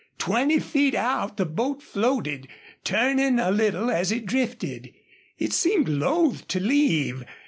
Twenty feet out the boat floated, turning a little as it drifted. It seemed loath to leave.